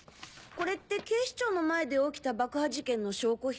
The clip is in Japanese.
これって警視庁の前で起きた爆破事件の証拠品？